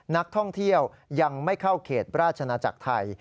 นักท่องเที่ยวยังไม่เข้าเขตราชนาจักรไทย